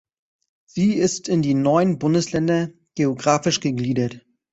Sie ist in die neun Bundesländer geografisch gegliedert.